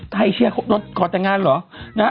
ให้เชียร์รถขอแต่งงานเหรอ